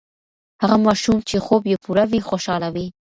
هغه ماشوم چې خوب یې پوره وي، خوشاله وي.